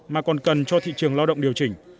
mà còn cần cho thị trường lao động điều chỉnh